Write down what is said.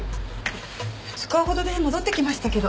２日ほどで戻ってきましたけど。